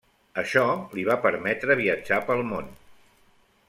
Això li va permetre viatjar pel món.